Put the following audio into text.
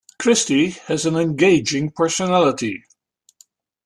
Christy has an engaging personality.